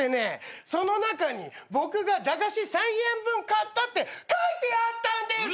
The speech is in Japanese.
その中に僕が駄菓子１，０００円分買ったって書いてあったんです！